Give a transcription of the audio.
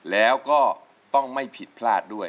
แล้วก็ต้องไม่ผิดพลาดด้วย